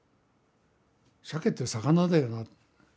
「シャケって魚だよな。